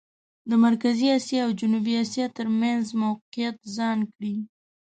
د مرکزي اسیا او جنوبي اسیا ترمېنځ موقعیت ځان کړي.